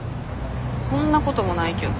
そんなこともないけど。